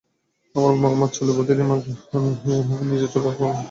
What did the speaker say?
আমার মা আমার চুলে প্রতিদিন তেল মাখালেও, নিজের চুলে কখনো মাখে না।